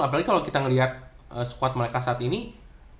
apalagi kalo kita ngeliat squad mereka sekarang gitu ya